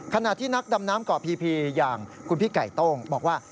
ขณะที่นักดำน้ำเกาะพีอย่างคุณพี่ไก่โต้งบอกว่า